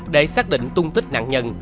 để xác định tung tích nạn nhân